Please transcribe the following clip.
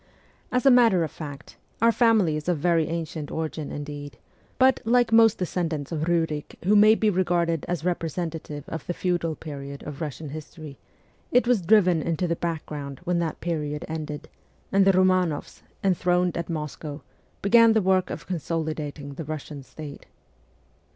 As a matter of fact, our family is of very ancient origin indeed ; but, like most descendants of Rurik who may be regarded as representative of the feudal period of Russian history, it was driven into the background when that period ended, and the Romanoffs, enthroned at Moscow, began the work of consolidating the Russian state.